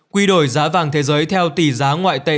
quy đổi giá vàng thế giới theo tỷ giá ngoại tệ